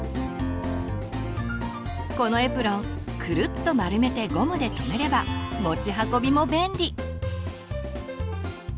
このエプロンクルッと丸めてゴムでとめれば持ち運びも便利！